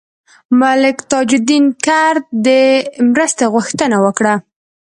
ملک تاج الدین کرد د مرستې غوښتنه وکړه.